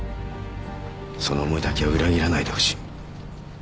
その思いだけは裏切らないでほしい。